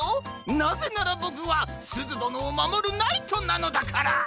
なぜならボクはすずどのをまもるナイトなのだから！